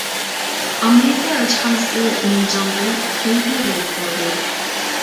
ئامېرىكا ئەلچىخانىسى نەنجىڭدىن تەيبېيغا يۆتكەلدى.